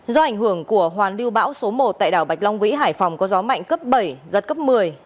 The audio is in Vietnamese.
do ảnh hưởng của hoàn lưu bão số một tại đảo bạch long vĩ hải phòng có gió mạnh cấp bảy giật cấp một mươi